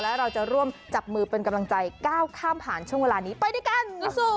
และเราจะร่วมจับมือเป็นกำลังใจก้าวข้ามผ่านช่วงเวลานี้ไปด้วยกัน